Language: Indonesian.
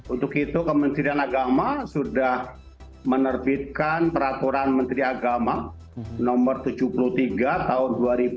untuk itu kementerian agama sudah menerbitkan peraturan menteri agama no tujuh puluh tiga tahun dua ribu dua puluh